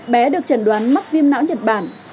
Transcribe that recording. bé được trần đoán mắc viêm não nhật bản